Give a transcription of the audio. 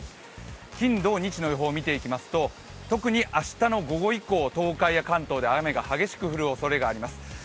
金土日の予報を見ていきますと特に午後以降、東海や関東で、雨が激しく降るおそれがあります。